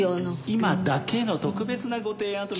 今だけの特別なご提案と。